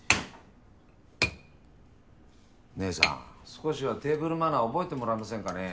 少しはテーブルマナー覚えてもらえませんかね。